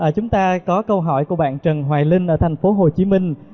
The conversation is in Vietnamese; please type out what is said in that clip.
chúng ta có câu hỏi của bạn trần hoài linh ở thành phố hồ chí minh